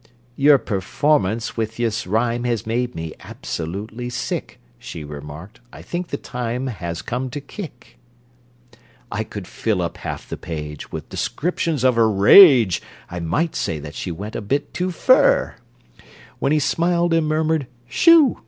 "Your performance with this rhyme has Made me absolutely sick," She remarked. "I think the time has Come to kick!" I could fill up half the page With descriptions of her rage (I might say that she went a bit too fur!) When he smiled and murmured: "Shoo!"